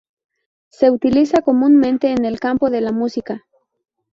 Se utiliza comúnmente en el campo de la música.